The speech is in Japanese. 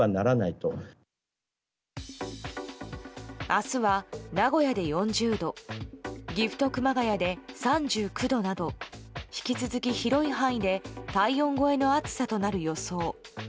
明日は、名古屋で４０度岐阜と熊谷で３９度など引き続き、広い範囲で体温超えの暑さとなる予想。